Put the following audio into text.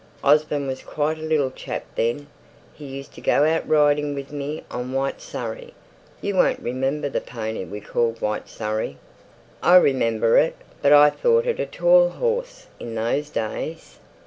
Osborne was quite a little chap then: he used to go out riding with me on White Surrey; you won't remember the pony we called White Surrey?" "I remember it; but I thought it a tall horse in those days."